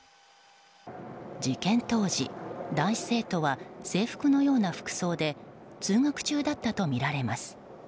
事件当時、男子生徒は制服のような服装で通学中だったとみられます。